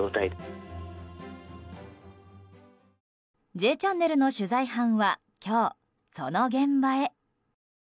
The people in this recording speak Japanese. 「Ｊチャンネル」の取材班は今日、その現場へ。